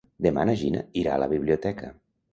Demà na Gina irà a la biblioteca.